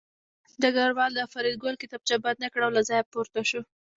ډګروال د فریدګل کتابچه بنده کړه او له ځایه پورته شو